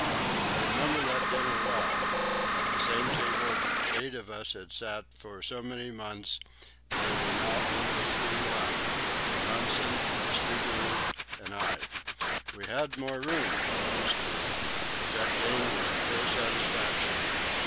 I remember that dinner well: at the same table where eight of us had sat for so many months, there were now only three left Johansen, Stubberud, and I. We had more room, it is true, but that gain was a poor satisfaction.